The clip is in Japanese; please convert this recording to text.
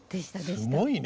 すごいね。